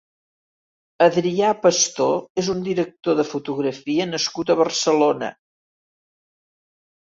Adrià Pastor és un director de fotografia nascut a Barcelona.